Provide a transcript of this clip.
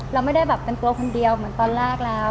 เราไม่ได้แบบเป็นตัวคนเดียวเหมือนตอนแรกแล้ว